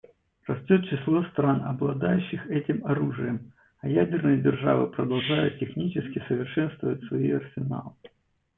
Растет число стран, обладающих этим оружием, а ядерные державы продолжают технически совершенствовать свои арсеналы.